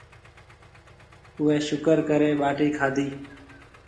اُوئي شُڪر ڪريَ ٻاٽِي کادِي۔